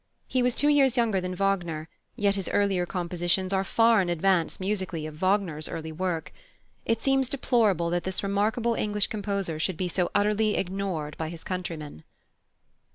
He was two years younger than Wagner, yet his earlier compositions are far in advance, musically, of Wagner's early work. It seems deplorable that this remarkable English composer should be so utterly ignored by his countrymen.